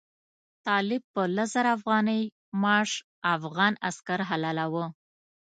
طالب په لس زره افغانۍ معاش افغان عسکر حلالاوه.